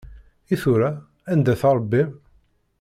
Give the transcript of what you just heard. I tura anda-t Ṛebbi-m?